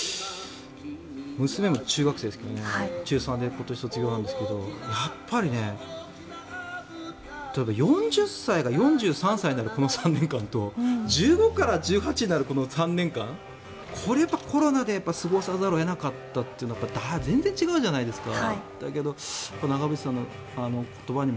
娘も中学生ですけど中３で今年卒業なんですけどやっぱり４０歳が４３歳になるこの３年間と１５から１８になるこの３年間これ、コロナで過ごさざるを得なかったというのは全然違うじゃないですか。